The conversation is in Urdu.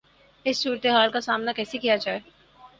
اس صورتحال کا سامنا کیسے کیا جائے؟